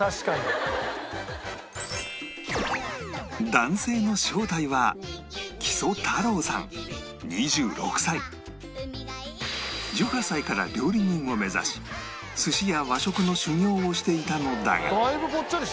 男性の正体は１８歳から料理人を目指し寿司や和食の修業をしていたのだが